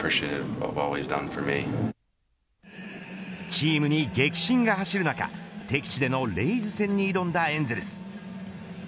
チームに激震が走る中敵地でのレイズ戦に挑んだエンゼルス。